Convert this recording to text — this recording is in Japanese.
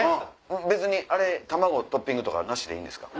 別に卵トッピングとかなしでいいんですか？